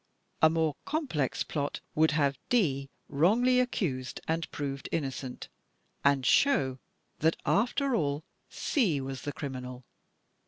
A more complex plot would have D wrongly accused and proved innocent and show that, after all, C was the criminal.